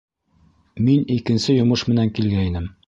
Мин икенсе йомош менән килгәйнем.